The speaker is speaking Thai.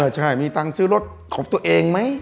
ใช่มีตังค์ซื้อรถของตัวเองไหม